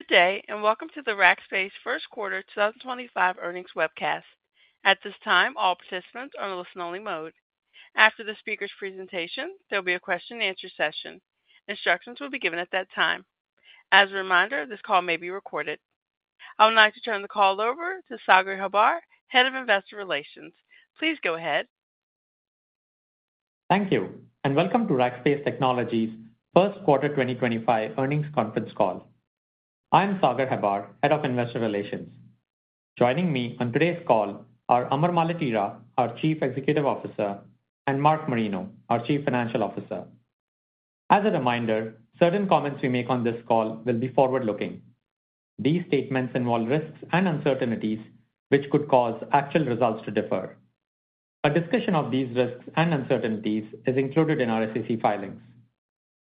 Good day, and welcome to the Rackspace First Quarter 2025 earnings webcast. At this time, all participants are in listen-only mode. After the speaker's presentation, there will be a question-and-answer session. Instructions will be given at that time. As a reminder, this call may be recorded. I would like to turn the call over to Sagar Hebbar, Head of Investor Relations. Please go ahead. Thank you, and welcome to Rackspace Technology's First Quarter 2025 earnings conference call. I'm Sagar Hebbar, Head of Investor Relations. Joining me on today's call are Amar Maletira, our Chief Executive Officer, and Mark Marino, our Chief Financial Officer. As a reminder, certain comments we make on this call will be forward-looking. These statements involve risks and uncertainties which could cause actual results to differ. A discussion of these risks and uncertainties is included in our SEC filings.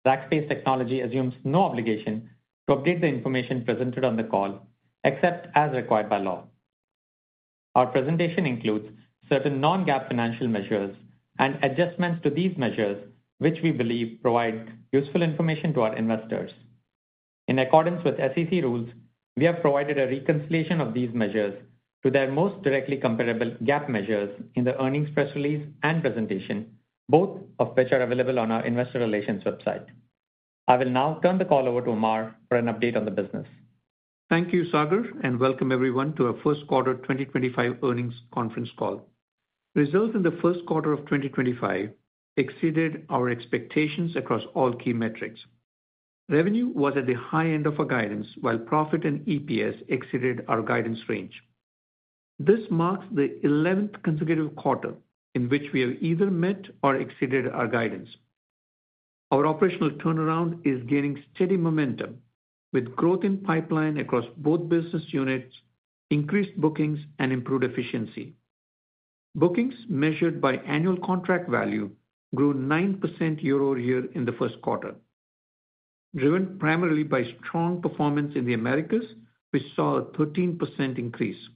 Rackspace Technology assumes no obligation to update the information presented on the call, except as required by law. Our presentation includes certain non-GAAP financial measures and adjustments to these measures, which we believe provide useful information to our investors. In accordance with SEC rules, we have provided a reconciliation of these measures to their most directly comparable GAAP measures in the earnings press release and presentation, both of which are available on our Investor Relations website. I will now turn the call over to Amar for an update on the business. Thank you, Sagar, and welcome everyone to our first quarter 2025 earnings conference call. Results in the first quarter of 2025 exceeded our expectations across all key metrics. Revenue was at the high end of our guidance, while profit and EPS exceeded our guidance range. This marks the 11th consecutive quarter in which we have either met or exceeded our guidance. Our operational turnaround is gaining steady momentum, with growth in pipeline across both business units, increased bookings, and improved efficiency. Bookings, measured by annual contract value, grew 9% year-over-year in the first quarter, driven primarily by strong performance in the Americas, which saw a 13% increase.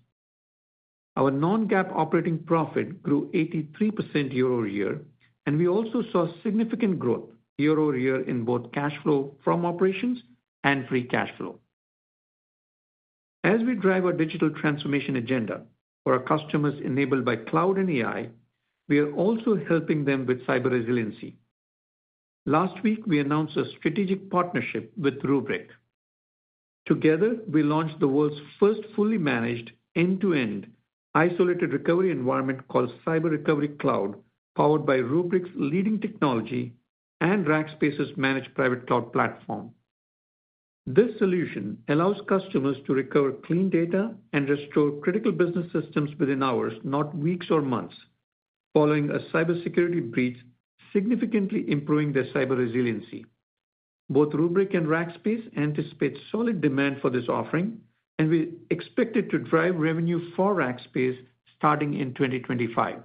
Our non-GAAP operating profit grew 83% year-over-year, and we also saw significant growth year-over-year in both cash flow from operations and free cash flow. As we drive our digital transformation agenda for our customers enabled by cloud and AI, we are also helping them with cyber resiliency. Last week, we announced a strategic partnership with Rubrik. Together, we launched the world's first fully managed end-to-end isolated recovery environment called Cyber Recovery Cloud, powered by Rubrik's leading technology and Rackspace's managed private cloud platform. This solution allows customers to recover clean data and restore critical business systems within hours, not weeks or months, following a cybersecurity breach, significantly improving their cyber resiliency. Both Rubrik and Rackspace anticipate solid demand for this offering, and we expect it to drive revenue for Rackspace starting in 2025.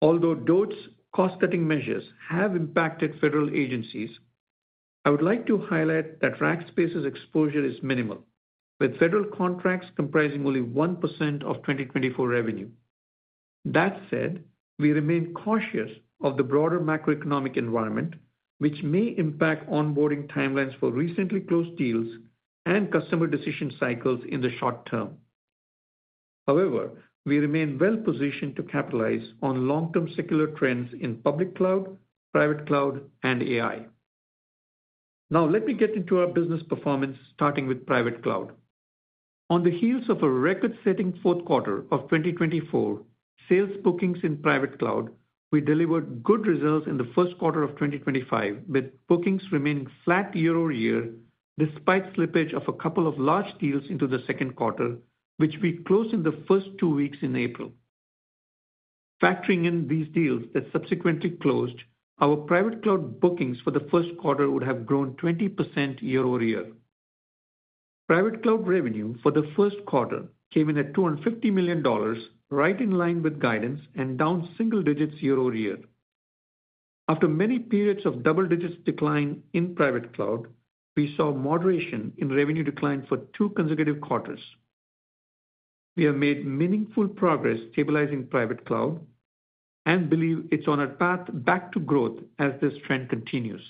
Although DOT's cost-cutting measures have impacted federal agencies, I would like to highlight that Rackspace's exposure is minimal, with federal contracts comprising only 1% of 2024 revenue. That said, we remain cautious of the broader macroeconomic environment, which may impact onboarding timelines for recently closed deals and customer decision cycles in the short term. However, we remain well-positioned to capitalize on long-term secular trends in public cloud, private cloud, and AI. Now, let me get into our business performance, starting with private cloud. On the heels of a record-setting fourth quarter of 2024 sales bookings in private cloud, we delivered good results in the first quarter of 2025, with bookings remaining flat year-over-year despite slippage of a couple of large deals into the second quarter, which we closed in the first two weeks in April. Factoring in these deals that subsequently closed, our private cloud bookings for the first quarter would have grown 20% year-over-year. Private cloud revenue for the first quarter came in at $250 million, right in line with guidance and down single digits year-over-year. After many periods of double-digit decline in private cloud, we saw moderation in revenue decline for two consecutive quarters. We have made meaningful progress stabilizing private cloud and believe it's on our path back to growth as this trend continues.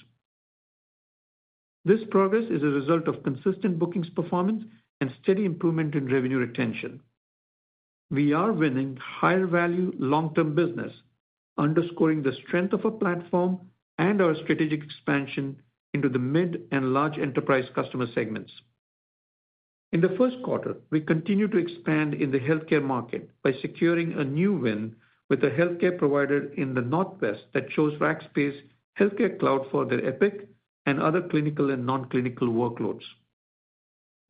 This progress is a result of consistent bookings performance and steady improvement in revenue retention. We are winning higher-value long-term business, underscoring the strength of our platform and our strategic expansion into the mid and large enterprise customer segments. In the first quarter, we continue to expand in the healthcare market by securing a new win with a healthcare provider in the Northwest that chose Rackspace Healthcare Cloud for their Epic and other clinical and non-clinical workloads.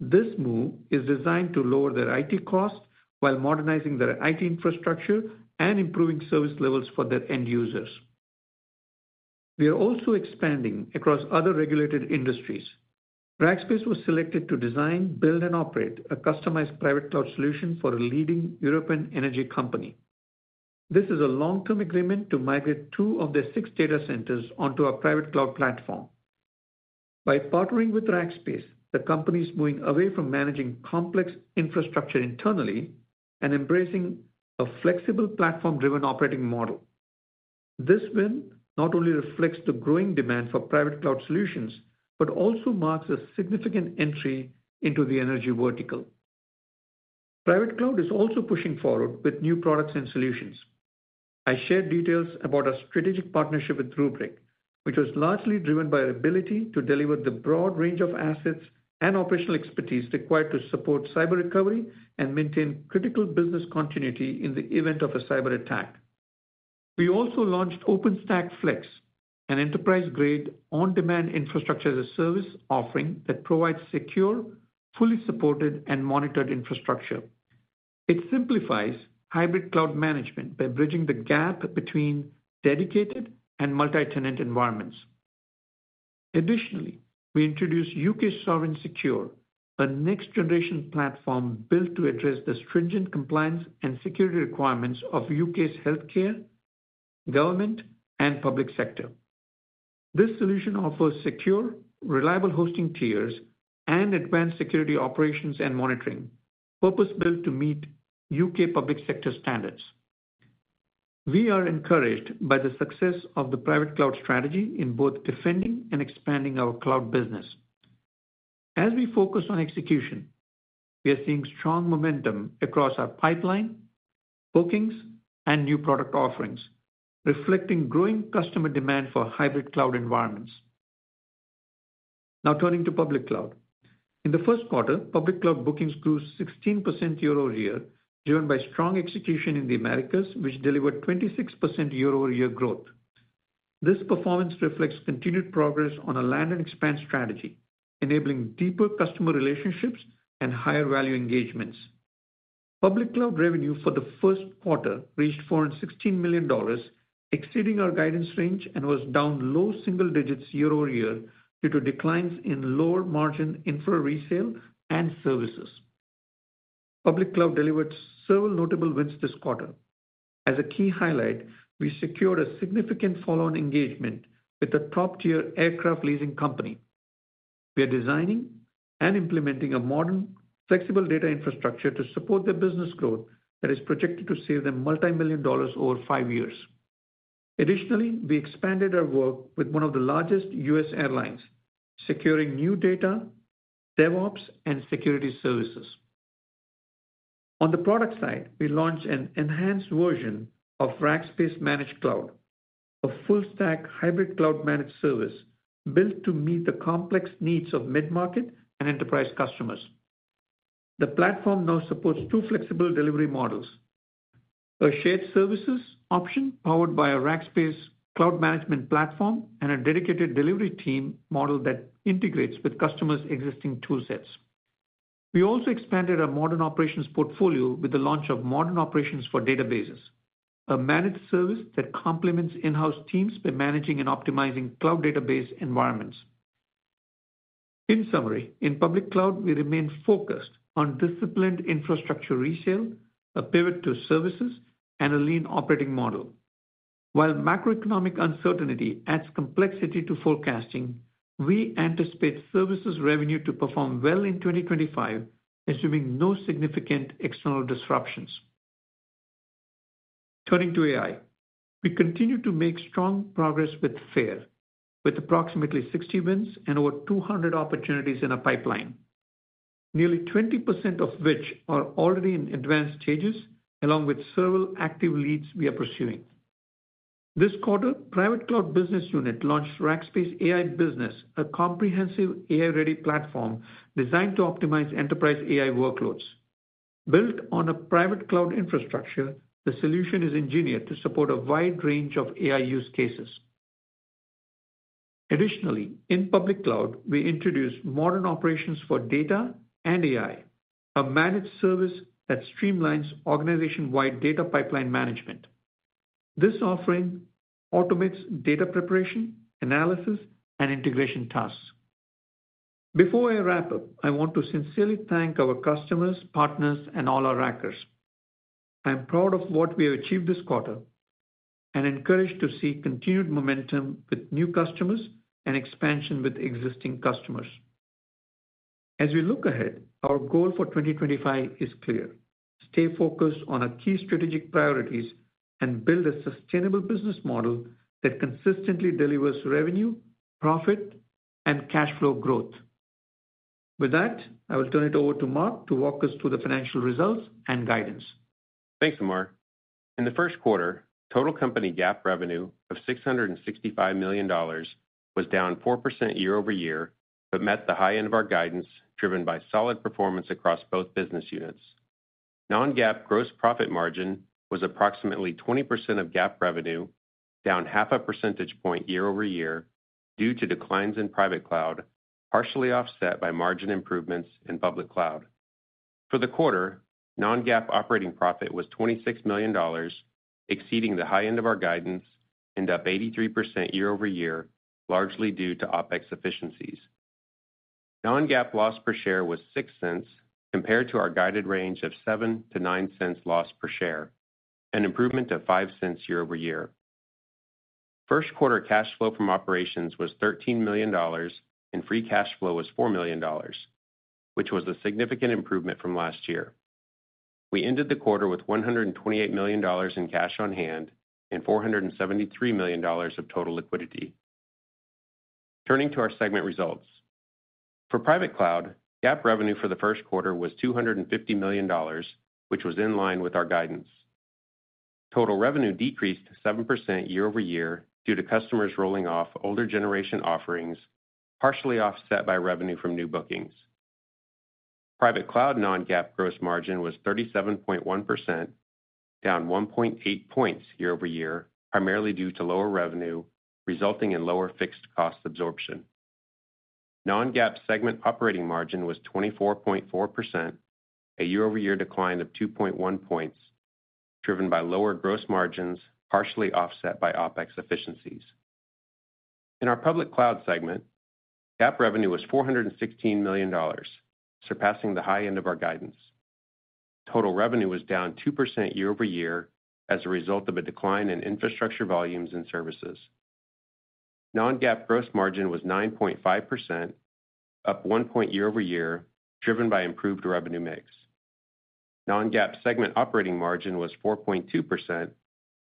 This move is designed to lower their IT costs while modernizing their IT infrastructure and improving service levels for their end users. We are also expanding across other regulated industries. Rackspace was selected to design, build, and operate a customized private cloud solution for a leading European Energy company. This is a long-term agreement to migrate two of their six data centers onto our private cloud platform. By partnering with Rackspace, the company is moving away from managing complex infrastructure internally and embracing a flexible platform-driven operating model. This win not only reflects the growing demand for private cloud solutions but also marks a significant entry into the energy vertical. Private cloud is also pushing forward with new products and solutions. I shared details about our strategic partnership with Rubrik, which was largely driven by our ability to deliver the broad range of assets and operational expertise required to support cyber recovery and maintain critical business continuity in the event of a cyber attack. We also launched OpenStack Flex, an enterprise-grade on-demand infrastructure as a service offering that provides secure, fully supported, and monitored infrastructure. It simplifies hybrid cloud management by bridging the gap between dedicated and multi-tenant environments. Additionally, we introduced U.K. Sovereign Secure, a next-generation platform built to address the stringent compliance and security requirements of U.K.'s healthcare, government, and public sector. This solution offers secure, reliable hosting tiers and advanced security operations and monitoring, purpose-built to meet U.K. public sector standards. We are encouraged by the success of the private cloud strategy in both defending and expanding our cloud business. As we focus on execution, we are seeing strong momentum across our pipeline, bookings, and new product offerings, reflecting growing customer demand for hybrid cloud environments. Now, turning to public cloud. In the first quarter, public cloud bookings grew 16% year-over-year, driven by strong execution in the Americas, which delivered 26% year-over-year growth. This performance reflects continued progress on a land-and-expand strategy, enabling deeper customer relationships and higher value engagements. Public cloud revenue for the first quarter reached $416 million, exceeding our guidance range, and was down low single digits year-over-year due to declines in lower-margin infra resale and services. Public cloud delivered several notable wins this quarter. As a key highlight, we secured a significant follow-on engagement with a top-tier aircraft leasing company. We are designing and implementing a modern, flexible data infrastructure to support their business growth that is projected to save them multi-million dollars over five years. Additionally, we expanded our work with one of the largest U.S. airlines, securing new data, DevOps, and security services. On the product side, we launched an enhanced version of Rackspace Managed Cloud, a full-stack hybrid cloud-managed service built to meet the complex needs of mid-market and enterprise customers. The platform now supports two flexible delivery models: a shared services option powered by a Rackspace cloud management platform and a dedicated delivery team model that integrates with customers' existing toolsets. We also expanded our Modern Operations portfolio with the launch of Modern Operations for Databases, a managed service that complements in-house teams by managing and optimizing cloud database environments. In summary, in public cloud, we remain focused on disciplined infrastructure resale, a pivot to services, and a lean operating model. While macroeconomic uncertainty adds complexity to forecasting, we anticipate services revenue to perform well in 2025, assuming no significant external disruptions. Turning to AI, we continue to make strong progress with FAIR, with approximately 60 wins and over 200 opportunities in our pipeline, nearly 20% of which are already in advanced stages, along with several active leads we are pursuing. This quarter, Private Cloud Business Unit launched Rackspace AI Business, a comprehensive AI-ready platform designed to optimize enterprise AI workloads. Built on a private cloud infrastructure, the solution is engineered to support a wide range of AI use cases. Additionally, in Public Cloud, we introduced Modern Operations for data and AI, a managed service that streamlines organization-wide data pipeline management. This offering automates data preparation, analysis, and integration tasks. Before I wrap up, I want to sincerely thank our customers, partners, and all our rackers. I am proud of what we have achieved this quarter and encouraged to see continued momentum with new customers and expansion with existing customers. As we look ahead, our goal for 2025 is clear: stay focused on our key strategic priorities and build a sustainable business model that consistently delivers revenue, profit, and cash flow growth. With that, I will turn it over to Mark to walk us through the financial results and guidance. Thanks, Amar. In the first quarter, total company GAAP revenue of $665 million was down 4% year-over-year but met the high end of our guidance driven by solid performance across both business units. Non-GAAP gross profit margin was approximately 20% of GAAP revenue, down half a percentage point year-over-year due to declines in private cloud, partially offset by margin improvements in public cloud. For the quarter, non-GAAP operating profit was $26 million, exceeding the high end of our guidance, ended up 83% year-over-year, largely due to OpEx efficiencies. Non-GAAP loss per share was $0.06 compared to our guided range of $0.07-$0.09 loss per share, an improvement of $0.05 year-over-year. First quarter cash flow from operations was $13 million, and free cash flow was $4 million, which was a significant improvement from last year. We ended the quarter with $128 million in cash on hand and $473 million of total liquidity. Turning to our segment results, for private cloud, GAAP revenue for the first quarter was $250 million, which was in line with our guidance. Total revenue decreased 7% year-over-year due to customers rolling off older generation offerings, partially offset by revenue from new bookings. Private cloud non-GAAP gross margin was 37.1%, down 1.8 percentage points year-over-year, primarily due to lower revenue resulting in lower fixed cost absorption. Non-GAAP segment operating margin was 24.4%, a year-over-year decline of 2.1 percentage points, driven by lower gross margins, partially offset by OpEx efficiencies. In our public cloud segment, GAAP revenue was $416 million, surpassing the high end of our guidance. Total revenue was down 2% year-over-year as a result of a decline in infrastructure volumes and services. Non-GAAP gross margin was 9.5%, up 1 percentage point year-over-year, driven by improved revenue mix. Non-GAAP segment operating margin was 4.2%,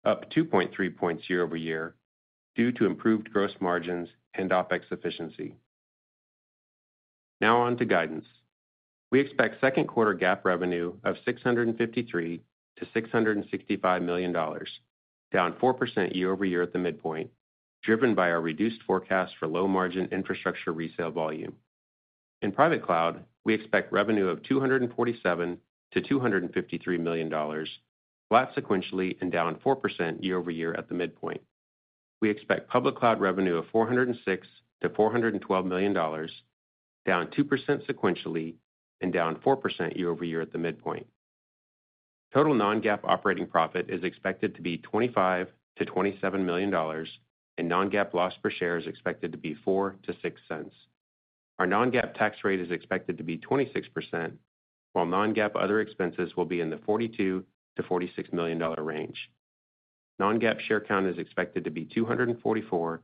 up 2.3 percentage points year-over-year, due to improved gross margins and OpEx efficiency. Now on to guidance. We expect second quarter GAAP revenue of $653 million-$665 million, down 4% year-over-year at the midpoint, driven by our reduced forecast for low-margin infrastructure resale volume. In private cloud, we expect revenue of $247 million-$253 million, flat sequentially and down 4% year-over-year at the midpoint. We expect public cloud revenue of $406 million-$412 million, down 2% sequentially and down 4% year-over-year at the midpoint. Total non-GAAP operating profit is expected to be $25 million-$27 million, and non-GAAP loss per share is expected to be $0.04-$0.06. Our non-GAAP tax rate is expected to be 26%, while non-GAAP other expenses will be in the $42 million-$46 million range. Non-GAAP share count is expected to be 244-248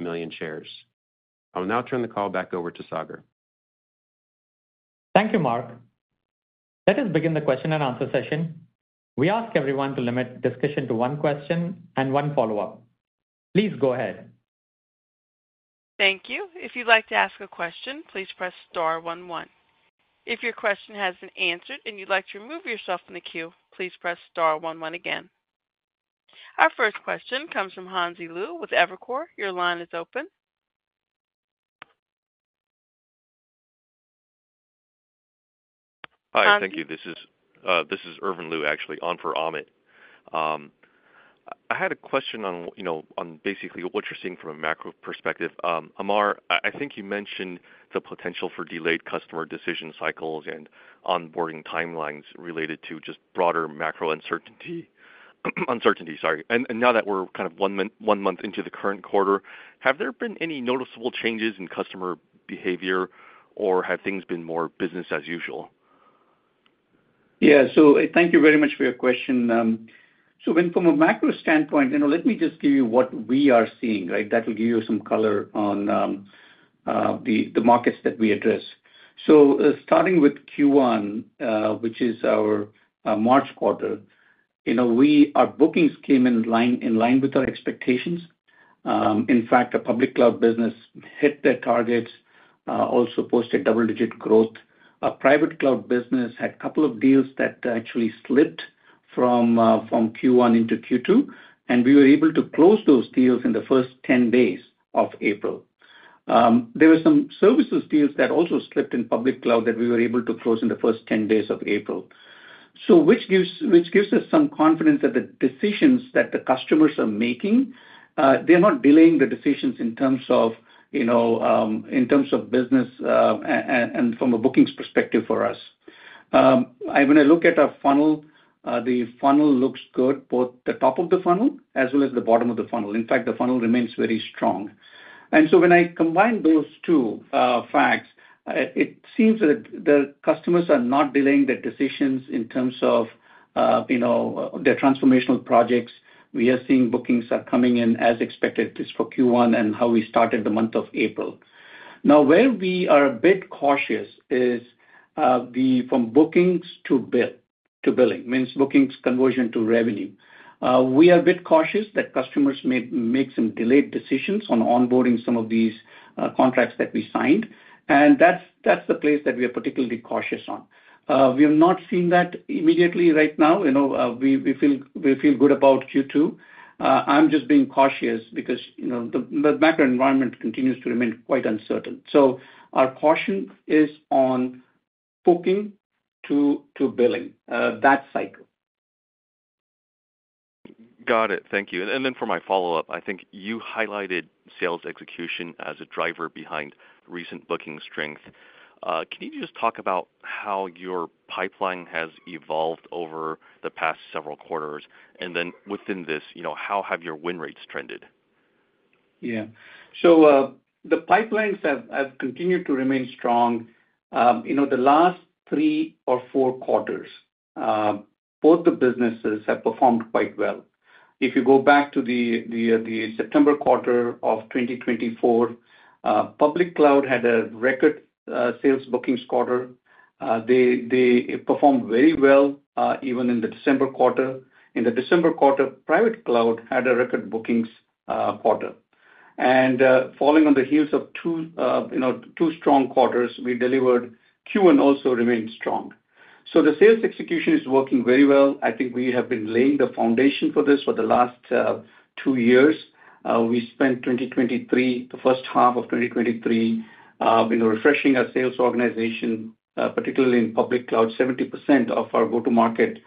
million shares. I will now turn the call back over to Sagar. Thank you, Mark. Let us begin the question and answer session. We ask everyone to limit discussion to one question and one follow-up. Please go ahead. Thank you. If you'd like to ask a question, please press star 11. If your question hasn't been answered and you'd like to remove yourself from the queue, please press star 11 again. Our first question comes from Hanzi Liu with Evercore. Your line is open. Hi, thank you. This is Irvin Liu actually, on for Amit. I had a question on basically what you're seeing from a macro perspective. Amar, I think you mentioned the potential for delayed customer decision cycles and onboarding timelines related to just broader macro uncertainty. Uncertainty, sorry. Now that we're kind of one month into the current quarter, have there been any noticeable changes in customer behavior, or have things been more business as usual? Yeah, thank you very much for your question. From a macro standpoint, let me just give you what we are seeing that will give you some color on the markets that we address. Starting with Q1, which is our March quarter, our bookings came in line with our expectations. In fact, our public cloud business hit their targets, also posted double-digit growth. Our private cloud business had a couple of deals that actually slipped from Q1 into Q2, and we were able to close those deals in the first 10 days of April. There were some services deals that also slipped in public cloud that we were able to close in the first 10 days of April, which gives us some confidence that the decisions that the customers are making, they're not delaying the decisions in terms of business and from a bookings perspective for us. When I look at our funnel, the funnel looks good, both the top of the funnel as well as the bottom of the funnel. In fact, the funnel remains very strong. When I combine those two facts, it seems that the customers are not delaying their decisions in terms of their transformational projects. We are seeing bookings are coming in as expected for Q1 and how we started the month of April. Now, where we are a bit cautious is from bookings to billing, means bookings conversion to revenue. We are a bit cautious that customers may make some delayed decisions on onboarding some of these contracts that we signed, and that's the place that we are particularly cautious on. We have not seen that immediately right now. We feel good about Q2. I'm just being cautious because the macro environment continues to remain quite uncertain. Our caution is on booking to billing, that cycle. Got it. Thank you. For my follow-up, I think you highlighted sales execution as a driver behind recent booking strength. Can you just talk about how your pipeline has evolved over the past several quarters? Within this, how have your win rates trended? Yeah. The pipelines have continued to remain strong. The last three or four quarters, both the businesses have performed quite well. If you go back to the September quarter of 2024, public cloud had a record sales bookings quarter. They performed very well even in the December quarter. In the December quarter, private cloud had a record bookings quarter. Following on the heels of two strong quarters, we delivered. Q1 also remained strong. The sales execution is working very well. I think we have been laying the foundation for this for the last two years. We spent 2023, the first half of 2023, refreshing our sales organization, particularly in public cloud. 70% of our go-to-market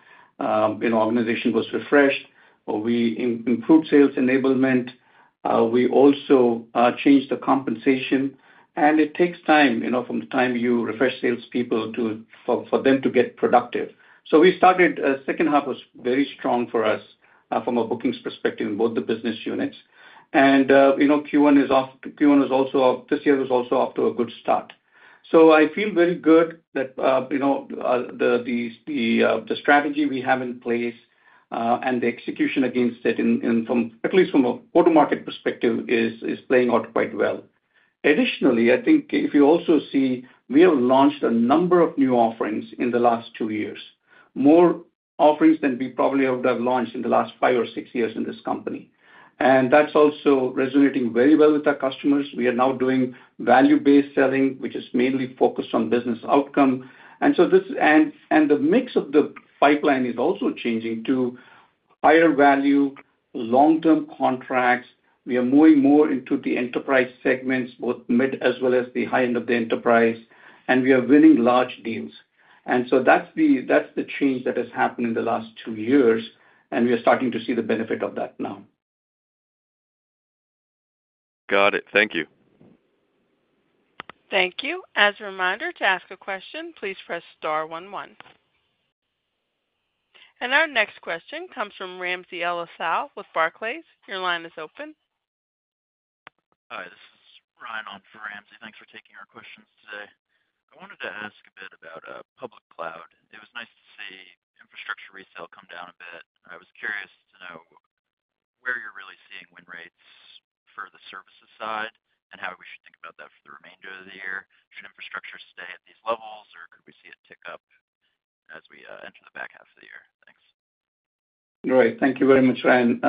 organization was refreshed. We improved sales enablement. We also changed the compensation, and it takes time from the time you refresh salespeople for them to get productive. We started second half was very strong for us from a bookings perspective in both the business units. Q1 is also this year was also off to a good start. I feel very good that the strategy we have in place and the execution against it, at least from a go-to-market perspective, is playing out quite well. Additionally, I think if you also see we have launched a number of new offerings in the last two years, more offerings than we probably would have launched in the last five or six years in this company. That is also resonating very well with our customers. We are now doing value-based selling, which is mainly focused on business outcome. The mix of the pipeline is also changing to higher value, long-term contracts. We are moving more into the enterprise segments, both mid as well as the high end of the enterprise, and we are winning large deals. That is the change that has happened in the last two years, and we are starting to see the benefit of that now. Got it. Thank you. Thank you. As a reminder, to ask a question, please press star 11. Our next question comes from Ramsey El-Assal with Barclays. Your line is open. Hi, this is Ryan for Ramsey. Thanks for taking our questions today. I wanted to ask a bit about public cloud. It was nice to see infrastructure resale come down a bit. I was curious to know where you're really seeing win rates for the services side and how we should think about that for the remainder of the year. Should infrastructure stay at these levels, or could we see it tick up as we enter the back half of the year? Thanks. All right. Thank you very much, Ryan.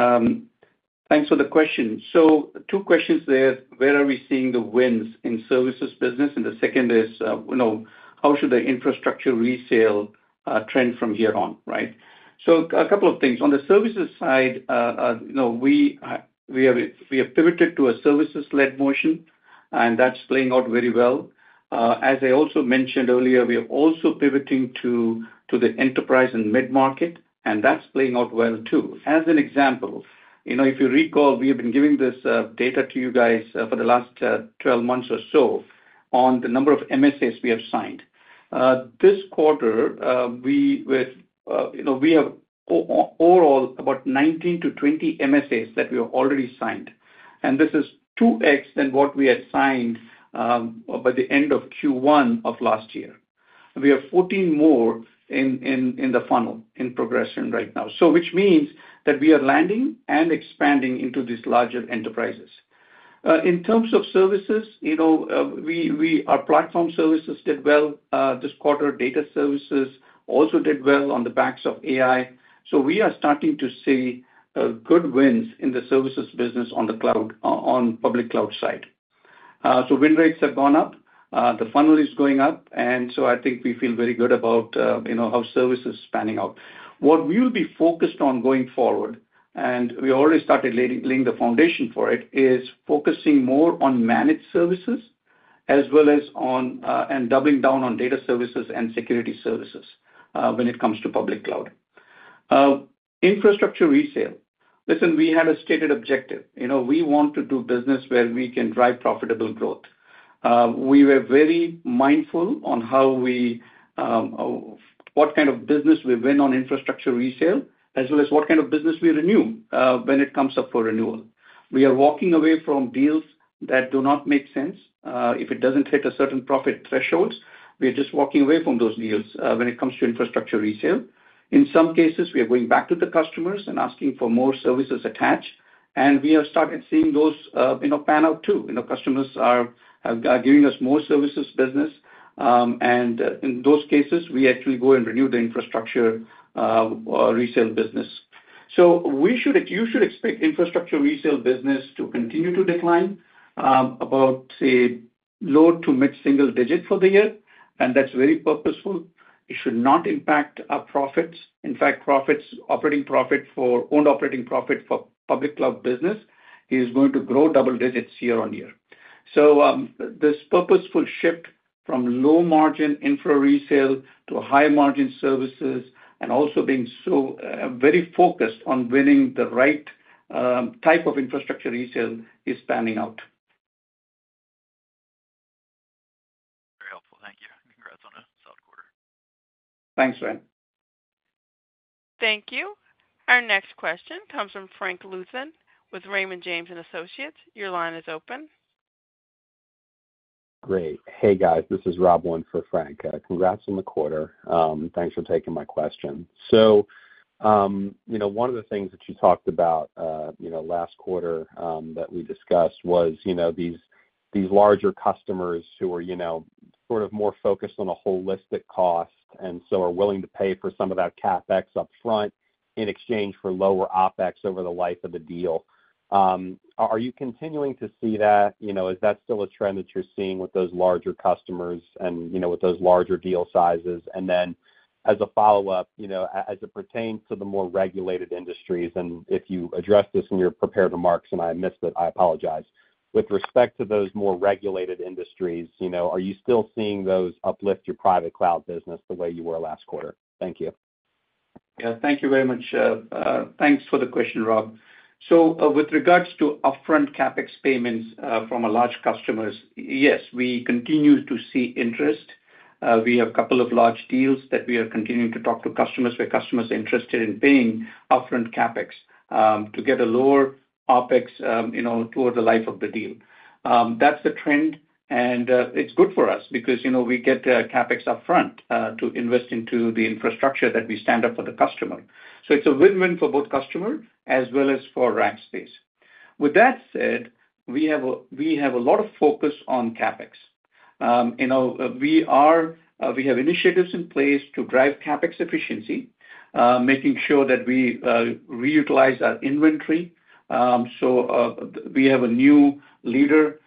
Thanks for the question. Two questions there. Where are we seeing the wins in services business? The second is, how should the infrastructure resale trend from here on? A couple of things. On the services side, we have pivoted to a services-led motion, and that's playing out very well. As I also mentioned earlier, we are also pivoting to the enterprise and mid-market, and that's playing out well too. As an example, if you recall, we have been giving this data to you guys for the last 12 months or so on the number of MSAs we have signed. This quarter, we have overall about 19-20 MSAs that we have already signed, and this is 2X than what we had signed by the end of Q1 of last year. We have 14 more in the funnel in progression right now, which means that we are landing and expanding into these larger enterprises. In terms of services, our platform services did well this quarter. Data services also did well on the backs of AI. We are starting to see good wins in the services business on the public cloud side. Win rates have gone up. The funnel is going up, and I think we feel very good about how service is panning out. What we will be focused on going forward, and we already started laying the foundation for it, is focusing more on managed services as well as on and doubling down on data services and security services when it comes to public cloud. Infrastructure resale, listen, we had a stated objective. We want to do business where we can drive profitable growth. We were very mindful on what kind of business we win on infrastructure resale as well as what kind of business we renew when it comes up for renewal. We are walking away from deals that do not make sense if it does not hit a certain profit threshold. We are just walking away from those deals when it comes to infrastructure resale. In some cases, we are going back to the customers and asking for more services attached, and we have started seeing those pan out too. Customers are giving us more services business, and in those cases, we actually go and renew the infrastructure resale business. You should expect infrastructure resale business to continue to decline about, say, low to mid-single digit for the year, and that is very purposeful. It should not impact our profits. In fact, operating profit for owned operating profit for public cloud business is going to grow double digits year on year. This purposeful shift from low-margin infra resale to high-margin services and also being so very focused on winning the right type of infrastructure resale is panning out. Very helpful. Thank you. Congrats on a solid quarter. Thanks, Ryan. Thank you. Our next question comes from Frank Louthan with Raymond James & Associates. Your line is open. Great. Hey, guys. This is Rob on for Frank. Congrats on the quarter. Thanks for taking my question. One of the things that you talked about last quarter that we discussed was these larger customers who are sort of more focused on a holistic cost and so are willing to pay for some of that CapEx upfront in exchange for lower OpEx over the life of the deal. Are you continuing to see that? Is that still a trend that you're seeing with those larger customers and with those larger deal sizes? As a follow-up, as it pertains to the more regulated industries, and if you addressed this in your prepared remarks and I missed it, I apologize. With respect to those more regulated industries, are you still seeing those uplift your private cloud business the way you were last quarter? Thank you. Yeah. Thank you very much. Thanks for the question, Rob. With regards to upfront CapEx payments from our large customers, yes, we continue to see interest. We have a couple of large deals that we are continuing to talk to customers where customers are interested in paying upfront CapEx to get a lower OpEx toward the life of the deal. That is the trend, and it is good for us because we get CapEx upfront to invest into the infrastructure that we stand up for the customer. It is a win-win for both customers as well as for Rackspace. With that said, we have a lot of focus on CapEx. We have initiatives in place to drive CapEx efficiency, making sure that we reutilize our inventory. We have a new leader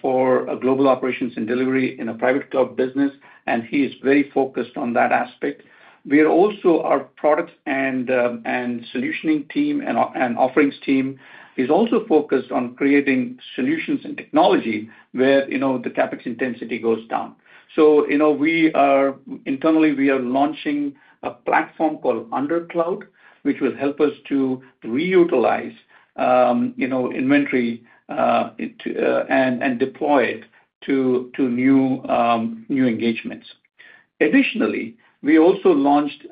for global operations and delivery in a Private Cloud business, and he is very focused on that aspect. We are also, our product and solutioning team and offerings team is also focused on creating solutions and technology where the CapEx intensity goes down. Internally, we are launching a platform called Undercloud, which will help us to reutilize inventory and deploy it to new engagements. Additionally, we also launched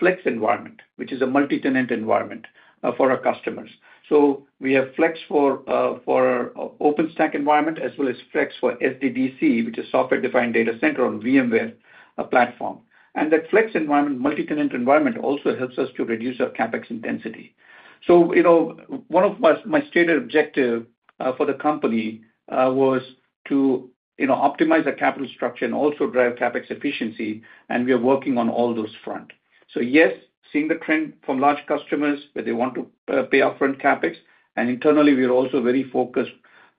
Flex Environment, which is a multi-tenant environment for our customers. We have Flex for OpenStack environment as well as Flex for SDDC, which is Software-Defined Data Center on VMware platform. That Flex Environment, multi-tenant environment also helps us to reduce our CapEx intensity. One of my stated objectives for the company was to optimize our capital structure and also drive CapEx efficiency, and we are working on all those fronts. Yes, seeing the trend from large customers where they want to pay upfront CapEx, and internally, we are also very focused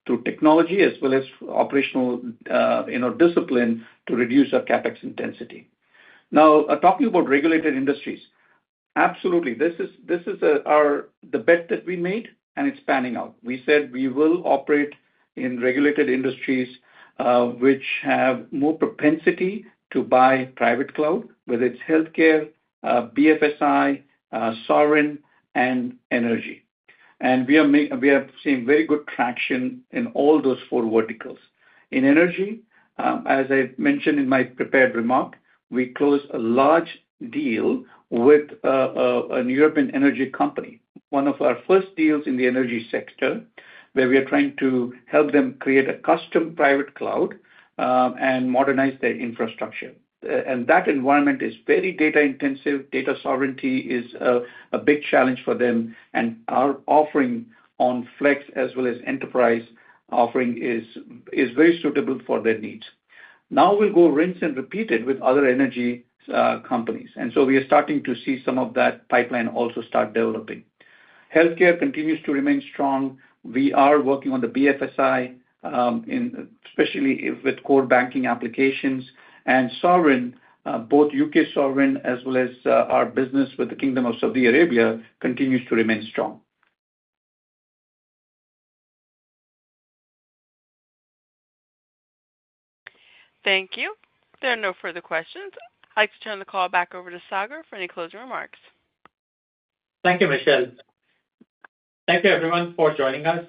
through technology as well as operational discipline to reduce our CapEx intensity. Now, talking about regulated industries, absolutely. This is the bet that we made, and it's panning out. We said we will operate in regulated industries which have more propensity to buy private cloud, whether it's healthcare, BFSI, sovereign, and energy. We are seeing very good traction in all those four verticals. In energy, as I mentioned in my prepared remark, we closed a large deal with a European Energy company, one of our first deals in the energy sector, where we are trying to help them create a custom private cloud and modernize their infrastructure. That environment is very data-intensive. Data sovereignty is a big challenge for them, and our offering on Flex as well as enterprise offering is very suitable for their needs. Now we will go rinse and repeat it with other energy companies. We are starting to see some of that pipeline also start developing. Healthcare continues to remain strong. We are working on the BFSI, especially with core banking applications, and sovereign, both U.K. sovereign as well as our business with the Kingdom of Saudi Arabia continues to remain strong. Thank you. There are no further questions. I'd like to turn the call back over to Sagar for any closing remarks. Thank you, Michelle. Thank you, everyone, for joining us.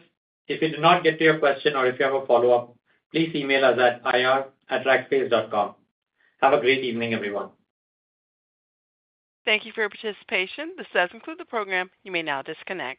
If we did not get to your question or if you have a follow-up, please email us at ir@rackspace.com. Have a great evening, everyone. Thank you for your participation. This does conclude the program. You may now disconnect.